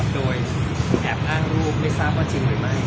โดยแอบอ้างรูปไม่ทราบว่าจริงหรือไม่